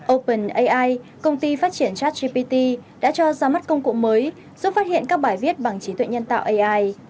open ai công ty phát triển chatgpt đã cho ra mắt công cụ mới giúp phát hiện các bài viết bằng trí tuệ nhân tạo ai